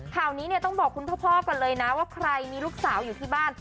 ข่าวนี้เนี่ยต้องบอกคุณพ่อก่อนเลยนะว่าใครมีลูกสาวอยู่ที่บ้าน